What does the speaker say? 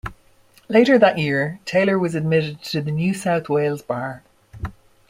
Later that year, Taylor was admitted to the New South Wales Bar.